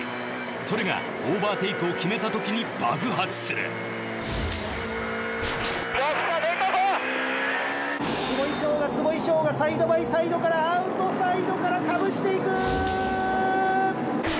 それがオーバーテイクを決めたときに爆発する坪井翔が坪井翔がサイドバイサイドアウトサイドからかぶしていく！